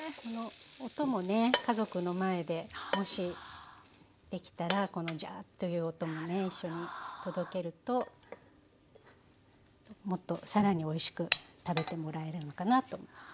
音もね家族の前でもしできたらこのジャーッという音もね一緒に届けるともっとさらにおいしく食べてもらえるのかなと思います。